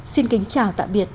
xin kính chào tạm biệt